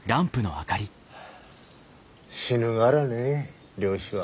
死ぬがらね漁師は。